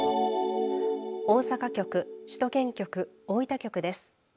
大阪局、首都圏局、大分局です。